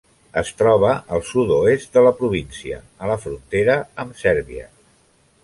Es troba al sud-oest de la província, a la frontera amb Sèrbia.